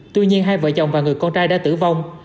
tuy nhiên hai vợ chồng và người con trai đã tử vong